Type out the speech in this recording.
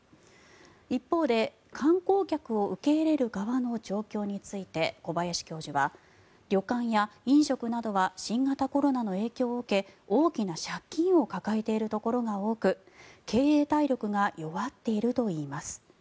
一方で観光客を受け入れる側の状況について小林教授は旅館や飲食などは新型コロナの影響を受け大きな借金を抱えているところが多く経営体力が弱っているといいます。